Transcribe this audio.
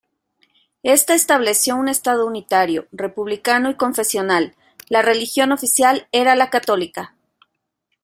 Esta estableció un estado unitario, republicano y confesional; la religión oficial era la católica.